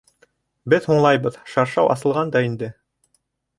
Беҙ һуңлайбыҙ, шаршау асылған да инде.